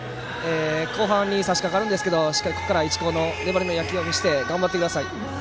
後半に差し掛かるんですけどしっかりここから市高の粘りの野球を見せて頑張ってください。